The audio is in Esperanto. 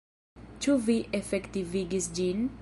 Ĉu vi efektivigis ĝin?